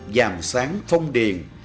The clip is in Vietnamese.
dàm sáng phong điền